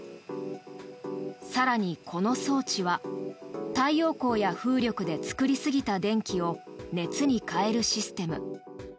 更に、この装置は太陽光や風力で作りすぎた電気を熱に変えるシステム。